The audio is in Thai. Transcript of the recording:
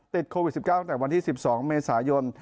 ติดโควิด๑๙ตั้งแต่วันที่๑๒เมษายน